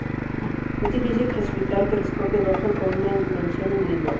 Es difícil clasificar al telescopio Dobson como una invención individual.